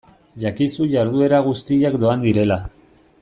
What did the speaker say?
Jakizu jarduera guztiak doan direla.